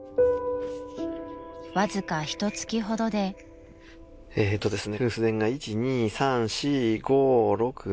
［わずかひとつきほどで］えっとですね。